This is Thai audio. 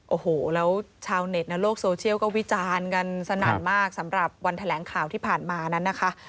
โอ้โหแล้วชาวเน็ตในโลกโซเชียลก็วิจารณ์กันสนั่นมากสำหรับวันแถลงข่าวที่ผ่านมานั้นนะคะ